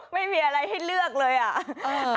ไม่มีอะไรให้เลือกเลยอ่ะ